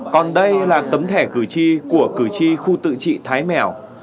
còn đây là tấm thẻ cử tri của cử tri khu tự trị thái mẻo